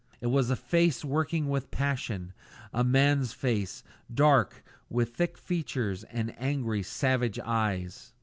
It was a face working with passion; a man's face, dark, with thick features, and angry, savage eyes.